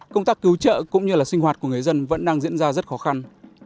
công tác cứu trợ cũng như là sinh hoạt của người dân vẫn đang diễn ra rất khó khăn